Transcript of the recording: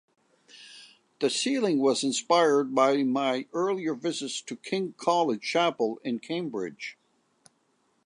The ceiling was inspired by my earlier visits to kings College Chapel in Cambridge.